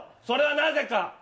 それはなぜか？